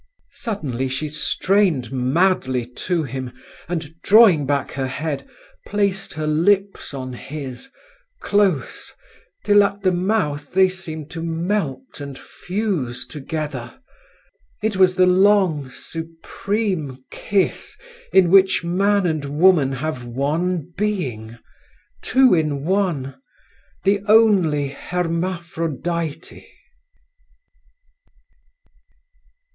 Suddenly she strained madly to him, and, drawing back her head, placed her lips on his, close, till at the mouth they seemed to melt and fuse together. It was the long, supreme kiss, in which man and woman have one being, Two in one, the only Hermaphrodite.